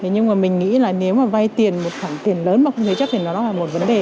nhưng mà mình nghĩ là nếu mà vay tiền một khoản tiền lớn mà không thể chấp thì nó là một vấn đề